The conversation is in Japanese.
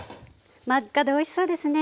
真っ赤でおいしそうですね。